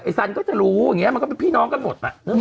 ไอ้สันก็จะรู้มันก็เป็นพี่น้องกันหมดอะ